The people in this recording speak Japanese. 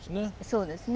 そうですね。